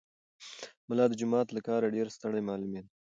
ملا د جومات له کاره ډېر ستړی معلومېده.